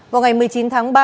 vào ngày một mươi chín tháng ba